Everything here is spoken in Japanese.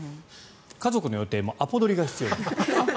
家族の予定もアポ取りが必要になる。